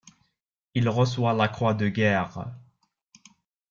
Il reçoit la croix de guerre.